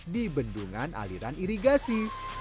di bendungan aliran irigasi